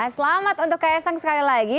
selamat untuk ks sang sekali lagi